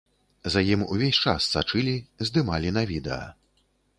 За ім увесь час сачылі, здымалі на відэа.